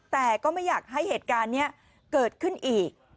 แต่ก็ไม่อยากให้เหตุการณ์นี้เกิดขึ้นอีก